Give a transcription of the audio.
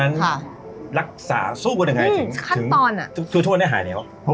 ทุกท่วดอะไรหายเหนียว